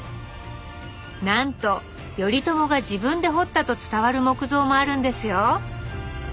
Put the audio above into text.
なんと頼朝が自分で彫ったと伝わる木像もあるんですよ